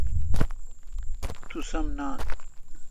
تو سم نان۔